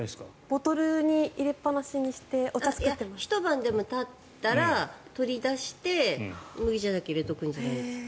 ボトルに入れっぱなしにしてひと晩たったら取り出して麦茶だけ入れておくんじゃないですか？